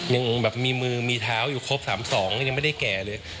ยังแบบมีมือมีเท้าอยู่ครบ๓๒ก็ยังไม่ได้แก่เลย